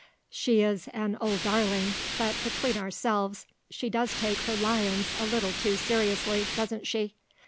She is an old darling; but, between ourselves, she does take her lions a little too seriously, doesn't she.